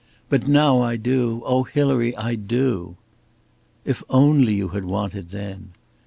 "But now I do. Oh, Hilary, I do!" "If only you had wanted then!"